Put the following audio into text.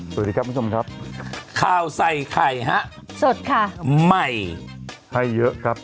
สวัสดีครับคุณผู้ชมครับข่าวใส่ไข่ฮะสดค่ะใหม่ให้เยอะครับ